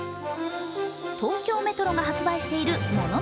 東京メトロが発売しているもの